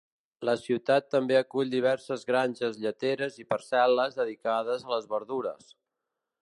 La ciutat també acull diverses granges lleteres i parcel·les dedicades a les verdures.